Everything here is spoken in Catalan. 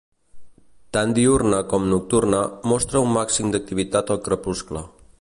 Tant diürna com nocturna, mostra un màxim d'activitat al crepuscle.